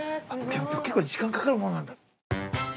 結構、時間かかるものなんだ。